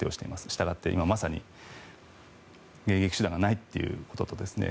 したがって、今まさに迎撃手段がないということですね。